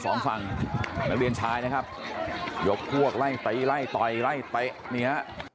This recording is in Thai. สองฝั่งนักเรียนชายนะครับยกพวกไล่ตีไล่ต่อยไล่เตะนี่ฮะ